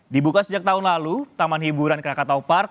dibuka sejak tahun lalu taman hiburan krakatau park